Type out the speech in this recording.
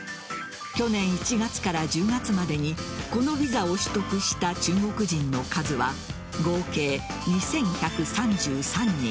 去年１月から１０月までにこのビザを取得した中国人の数は合計２１３３人。